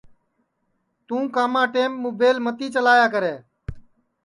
توں کاما کے ٹیم مُبیل متی چلایا کرے